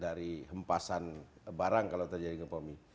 dari hempasan barang kalau terjadi gempa bumi